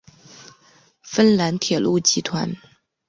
芬兰铁路集团。